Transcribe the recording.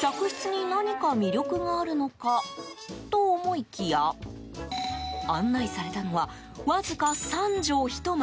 客室に何か魅力があるのかと思いきや案内されたのはわずか３畳ひと間。